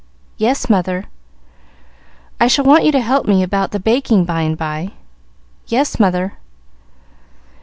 "Yes, mother." "I shall want you to help me about the baking, by and by." "Yes, mother."